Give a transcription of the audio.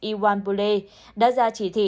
iwan bule đã ra chỉ thị